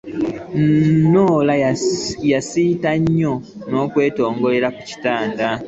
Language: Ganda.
Norah yasiita nnyo n'okwetogoonyolera ku kitanda.